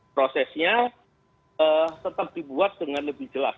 prosesnya tetap dibuat dengan lebih jelas